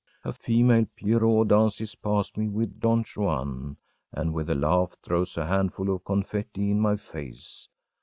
A female pierrot dances past me with Don Juan, and, with a laugh, throws a handful of confetti in my face.